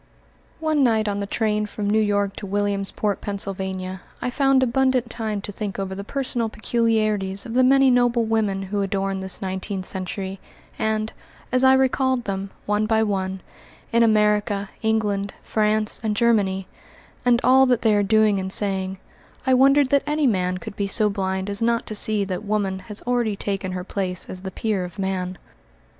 One night on the train from New York to Williamsport, Pennsylvania, I found abundant time to think over the personal peculiarities of the many noble women who adorn this nineteenth century, and, as I recalled them, one by one, in America, England, France, and Germany, and all that they are doing and saying, I wandered that any man could be so blind as not to see that woman has already taken her place as the peer of man.